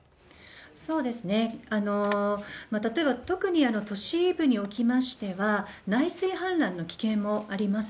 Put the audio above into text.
そうですね、例えば特に都市部におきましては、内水氾濫の危険もあります。